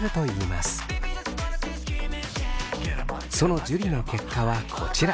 その樹の結果はこちら。